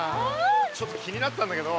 ちょっと気になってたんだけど。